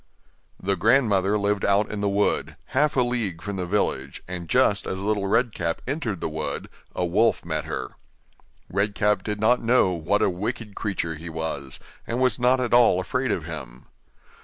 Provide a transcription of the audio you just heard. The grandmother lived out in the wood, half a league from the village, and just as Little Red Cap entered the wood, a wolf met her. Red Cap did not know what a wicked creature he was, and was not at all afraid of him.